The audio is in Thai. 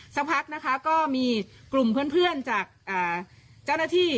สักพักนะคะก็มีกลุ่มเพื่อนจากเจ้าหน้าที่